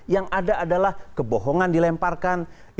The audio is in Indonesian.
yang ada adalah kebohongan dilemparkan itu dibalik